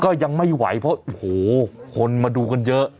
ก็ยังไม่ไหวเพราะโอ้โหคนมาดูกันเยอะ